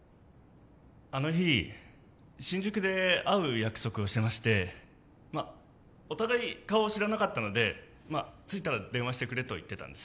あの日新宿で会う約束をしてましてまっお互い顔を知らなかったので着いたら電話してくれと言ってたんです